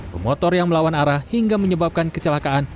pemotor yang melawan arah hingga menyebabkan kecelakaan